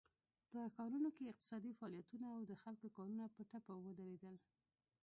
په ښارونو کې اقتصادي فعالیتونه او د خلکو کارونه په ټپه ودرېدل.